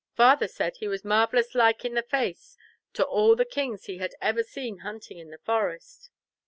Father said he was marvellous like in the face to all the kings he had ever seen hunting in the Forest."